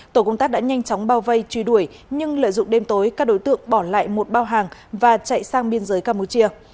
tổ công tác đã nhanh chóng bao vây truy đuổi nhưng lợi dụng đêm tối các đối tượng bỏ lại một bao hàng và chạy sang biên giới campuchia